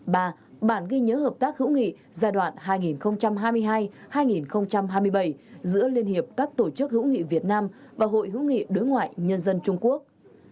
ba bản ghi nhớ hợp tác hữu nghị giai đoạn hai nghìn hai mươi hai hai nghìn hai mươi bảy giữa liên hiệp các tổ chức hữu nghị việt nam và hội hữu nghị đối ngoại nhân dân trung quốc